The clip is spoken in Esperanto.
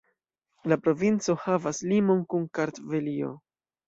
La provinco havas limon kun Kartvelio.